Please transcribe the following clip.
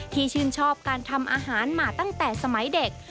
ชื่นชอบการทำอาหารมาตั้งแต่สมัยเด็ก